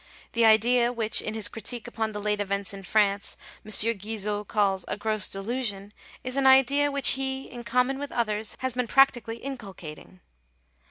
The idea which, in his critique upon the late events in France, M. Guizot calls a " gross delusion/' is an idea which he, in common with others, has been practically inculcating.